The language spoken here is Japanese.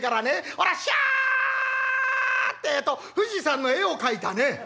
俺はシャッてえと富士山の絵を描いたね」。